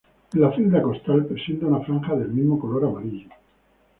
En la celda costal presenta una franja del mismo color amarillo.